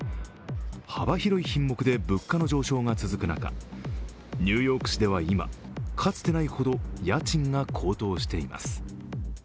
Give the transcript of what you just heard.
幅広い品目で物価の上昇が続く中、ニューヨーク市では今、かつてないほど家賃が高騰しています。